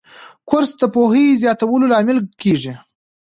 کورس د پوهې زیاتولو لامل کېږي.